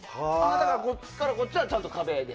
だからここからこっちはちゃんと壁で。